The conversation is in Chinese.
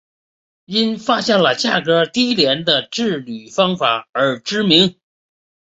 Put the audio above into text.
因发现了价格低廉的制铝方法而知名。